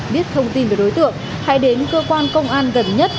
biết thông tin về đối tượng hãy đến cơ quan công an gần nhất